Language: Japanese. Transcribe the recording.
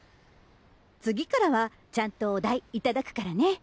次からはちゃんとお代頂くからね。